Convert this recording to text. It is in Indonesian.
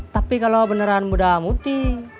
tapi kalau beneran muda mudi